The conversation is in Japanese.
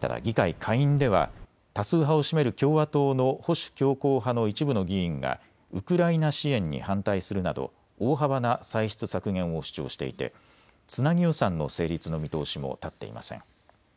ただ議会下院では多数派を占める共和党の保守強硬派の一部の議員がウクライナ支援に反対するなど大幅な歳出削減を主張していてつなぎ予算の成立の見通しも立っいません。